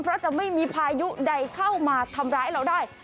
เพราะจะไม่มีพายุใดเข้ามาทำร้ายเราได้